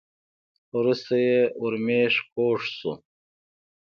وروسته یې ورمېږ کوږ شو .